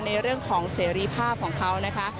ในเรื่องของเสรีภาพของเขานะคะ